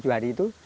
tujuh hari itu